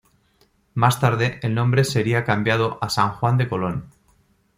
Más tarde el nombre seria cambiado a San juan de Colón.